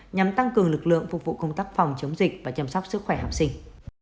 nhằm tăng cường lực lượng phục vụ công tác phòng chống dịch và chăm sóc sức khỏe học sinh